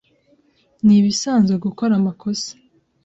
Ni ibisanzwe gukora amakosa.